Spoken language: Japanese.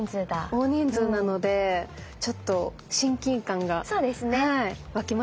大人数なのでちょっと親近感が湧きますね。